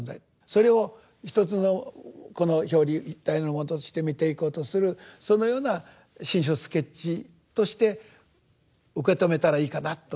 それをひとつの表裏一体のものとして見ていこうとするそのような「心象スケッチ」として受け止めたらいいかなと。